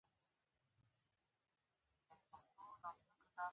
د احمد له بد چلنده مې زړه تور شو.